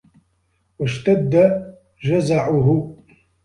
وَاشْتَدَّ جَزَعُهُ